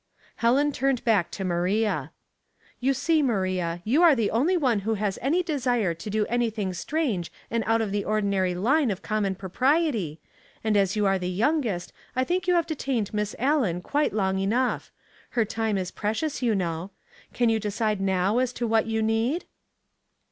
Helen turned back to Maria. " You see, Maria, you are the only one who has any desire to do anything strange and out of the ordinary line of common propriety, and as you are the youngest I think you have detained Miss Allen quite long enough; her time is precious, you know. Can you decide now as to what you need?"